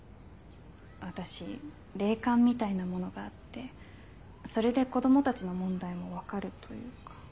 私霊感みたいなものがあってそれで子供たちの問題も分かるというか。